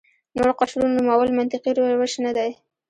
نور قشرونو نومول منطقي روش نه دی.